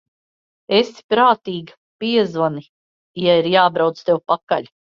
Esi prātīga, piezvani, ja ir jābrauc tev pakaļ.